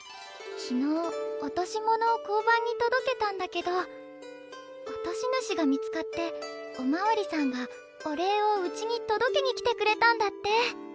昨日落とし物を交番に届けたんだけど落とし主が見つかっておまわりさんがお礼をうちに届けに来てくれたんだって。